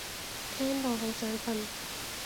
聽到好想瞓